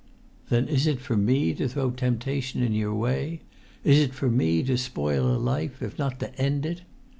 "Then is it for me to throw temptation in your way? Is it for me to spoil a life, if not to end it?